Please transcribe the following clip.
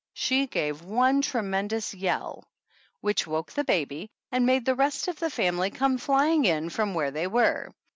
She gave one tremend ous yell which woke the baby and made the rest of the family come flying in from where they were.